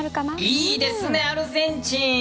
いいですねアルゼンチン。